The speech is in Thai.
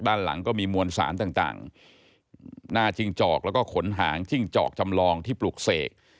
ด้านหลังก็มีมวลสารต่างหน้าจิ้งจอกแล้วก็ขนหางจิ้งจอกจำลองที่ปลูกเสก